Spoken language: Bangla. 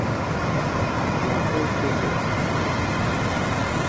রাতে ফোটে।